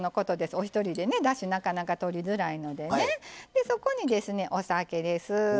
お一人で、だしなかなかとりづらいのでそこにお酒です。